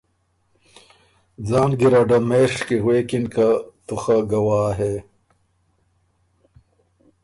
ځان ګیرډه مېڒ کی غوېکِن که ”تُو خه ګواه هې